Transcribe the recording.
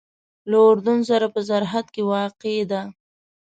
له اردن سره په سرحد کې واقع ده.